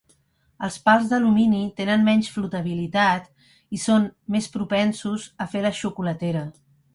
Els pals d'alumini tenen menys flotabilitat i són més propensos a fer la xocolatera.